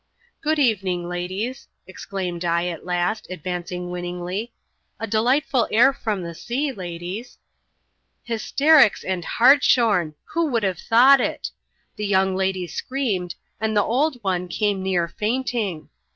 "Good evening, ladies," exclaimed I, at last, advancing winningly ;" a delightful air from the sea, ladies." Hysterics and hartshorn! who would have thought it? The young lady screamed, and the old one came near fainting.